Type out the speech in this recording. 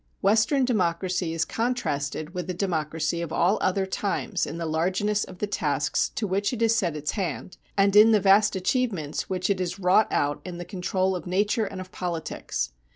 Western democracy is contrasted with the democracy of all other times in the largeness of the tasks to which it has set its hand, and in the vast achievements which it has wrought out in the control of nature and of politics.